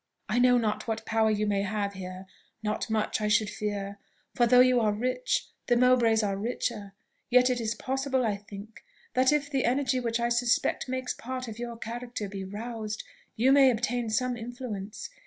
I know not what power you may have here not much, I should fear; for though you are rich, the Mowbrays are richer; yet it is possible, I think, that if the energy which I suspect makes part of your character be roused, you may obtain some influence.